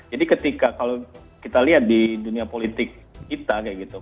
jadi ketika kalau kita lihat di dunia politik kita kayak gitu